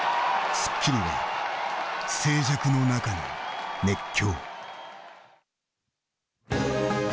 『スッキリ』は静寂の中の熱狂。